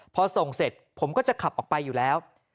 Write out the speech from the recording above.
พอส่งเสร็จผมก็จะขับออกไปอยู่แล้ว